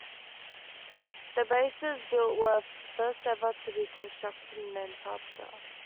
The bases built were the first ever to be constructed in Antarctica.